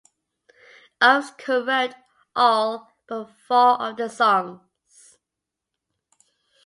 Oakes co-wrote all but four of the songs.